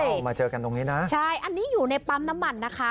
มาเจอกันตรงนี้นะใช่อันนี้อยู่ในปั๊มน้ำมันนะคะ